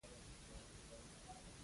دواړه به يوځای لاړ شو